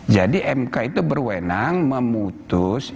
jadi mk itu berwenang memutus